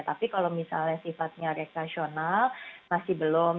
tapi kalau misalnya sifatnya reksasional masih belum